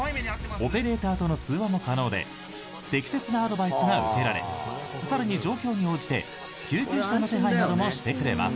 オペレーターとの通話も可能で適切なアドバイスが受けられ更に状況に応じて救急車の手配などもしてくれます。